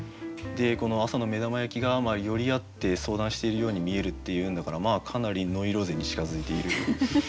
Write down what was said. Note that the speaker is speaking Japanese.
この「朝の目玉焼き」が寄り合って相談しているように見えるっていうんだからまあかなりノイローゼに近づいている。